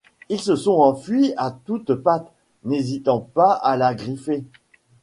Ils se sont enfuis à toutes pattes, n’hésitant pas à la griffer.